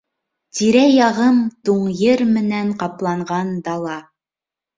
Тирә-яғым туң ер менән ҡапланған дала.